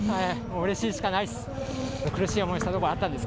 うれしいしかないです。